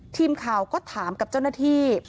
ทีมข่าวก็ถามกับเจ้าหน้าที่